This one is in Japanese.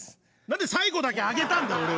何で最後だけ上げたんだよ